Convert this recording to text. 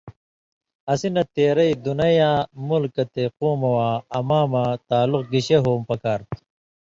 اسی نہ تېرئ دُنَیں یا مُلکہ تے قومہۡ وَاں اماں مہ تعلق گِشے ہوں پکار تُھو